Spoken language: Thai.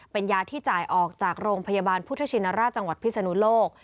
เป็นยาที่จ่ายออกจากโรงพยาบาลพุทธชินราชจังหวัดพิศนุโลก